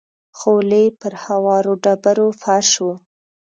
غولی پر هوارو ډبرو فرش و.